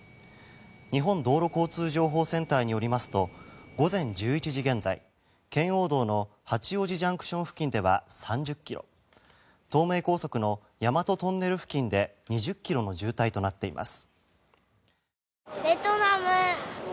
日本道路交通情報センターによりますと午前１１時現在、圏央道の八王子ＪＣＴ付近では３０ｋｍ東名高速の大和トンネル付近で２０ｋｍの渋滞となっています。